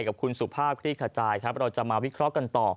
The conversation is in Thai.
กับคุณสุภาพคลี่ขจายครับเราจะมาวิเคราะห์กันต่อ